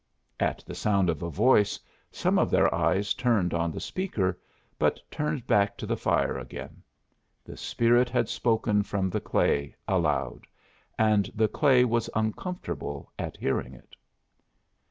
At the sound of a voice, some of their eyes turned on the speaker, but turned back to the fire again. The spirit had spoken from the clay, aloud; and the clay was uncomfortable at hearing it.